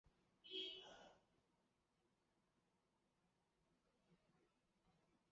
尼科利斯科耶农村居民点是俄罗斯联邦沃罗涅日州新乌斯曼区所属的一个农村居民点。